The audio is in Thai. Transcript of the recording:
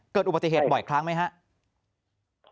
เกิดอุบัติเหตุบ่อยครั้งไหมครับ